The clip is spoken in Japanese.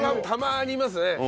たまにいますね。